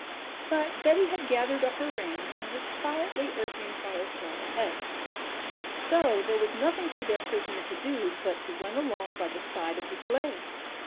But Betty had gathered up her reins and was quietly urging Fire Star ahead. So there was nothing for their prisoner to do but to run along by the side of the sleigh.